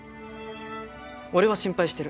俺は心配してる。